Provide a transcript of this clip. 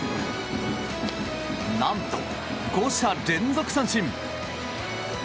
何と５者連続三振！